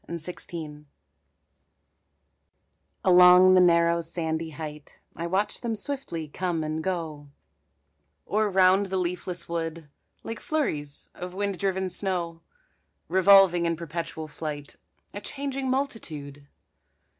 SNOWBIRDS Along the narrow sandy height I watch them swiftly come and go, Or round the leafless wood, Like flurries of wind driven snow, Revolving in perpetual flight, A changing multitude.